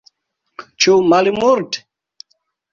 Ĉu malmulte?